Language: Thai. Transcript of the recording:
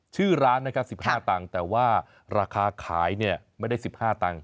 ชื่อร้านนะครับ๑๕ตังค์แต่ว่าราคาขายเนี่ยไม่ได้๑๕ตังค์